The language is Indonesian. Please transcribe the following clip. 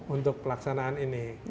untuk pelaksanaan ini